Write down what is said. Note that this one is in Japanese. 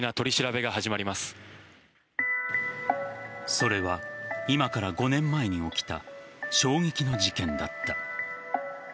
それは今から５年前に起きた衝撃の事件だった。